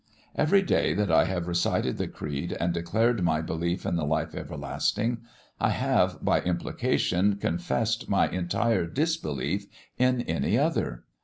Every day that I have recited the creed, and declared my belief in the Life Everlasting, I have by implication confessed my entire disbelief in any other.